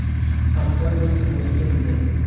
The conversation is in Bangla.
আমি দারুণ গর্বিত তোমাদের দুজনকে নিয়েই।